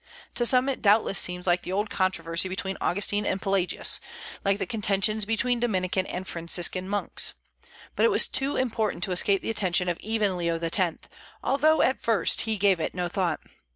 To some it doubtless seemed like the old controversy between Augustine and Pelagius, like the contentions between Dominican and Franciscan monks. But it was too important to escape the attention of even Leo X., although at first he gave it no thought.